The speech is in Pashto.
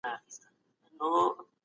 عادت د انسان دویم فطرت دی.